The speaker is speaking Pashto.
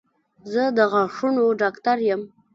زه د غاښونو ډاکټر یم